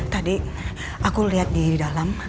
tadi aku liat dia di dalam